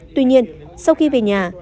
tuy nhiên sau khi về nhà